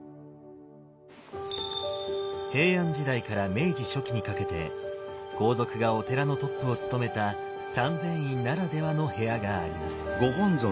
平安時代から明治初期にかけて皇族がお寺のトップをつとめた三千院ならではの部屋があります。